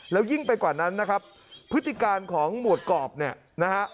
แล้วยิ่งไปกว่านั้นนะครับพฤติการของหมวดกรอบเนี่ยนะฮะ